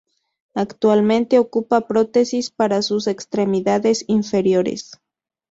Actualmente ocupa prótesis para sus extremidades inferiores.